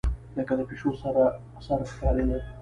لکه د پيشو سر ښکارېدۀ